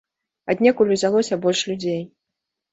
Аднекуль узялося больш людзей.